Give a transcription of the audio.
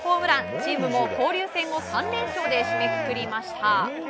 チームも交流戦を３連勝で締めくくりました。